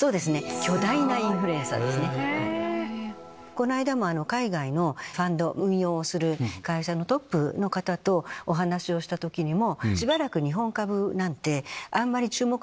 この間も海外のファンド運用をする会社のトップの方とお話をした時にも。